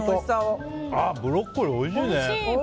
ブロッコリー、おいしいね。